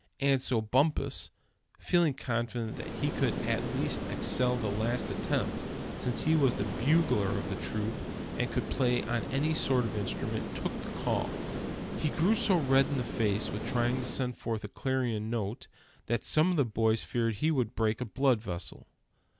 And so Bumpus, feeling confident that he could at least excel the last attempt, since he was the bugler of the troop, and could play on any sort of instrument, took the call. He grew so red in the face with trying to send forth a clarion note, that some of the boys feared he would break a blood vessel.